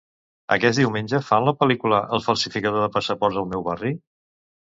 Aquest diumenge fan la pel·lícula "El falsificador de passaports" al meu barri?